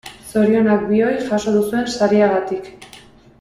Zorionak bioi jaso duzuen sariagatik.